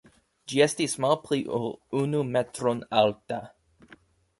Ĝi estis malpli ol unu metron alta.